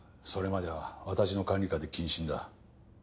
それまでは私の管理下で謹慎だ。